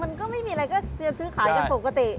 มันก็ไม่มีอะไรก็เตรียมซื้อขายกันปกติ